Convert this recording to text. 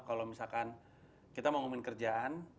kalau misalkan kita mau ngomongin kerjaan